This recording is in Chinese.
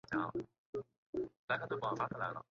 晚年在广东应元书院讲学。